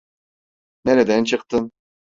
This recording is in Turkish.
Nereden çıktın?